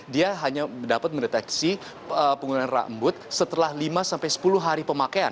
dia hanya dapat mendeteksi penggunaan rambut setelah lima sampai sepuluh hari pemakaian